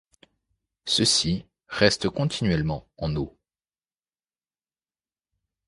Ceux-ci restent continuellement en eau.